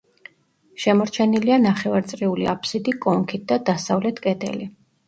შემორჩენილია ნახევარწრიული აფსიდი კონქით და დასავლეთ კედელი.